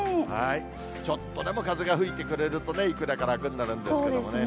ちょっとでも風が吹いてくれるとね、いくらか楽になるんですけれどもね。